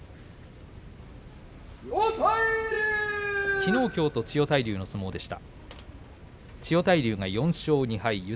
きのう、きょうと千代大龍の相撲でした。